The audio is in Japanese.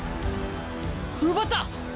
奪った！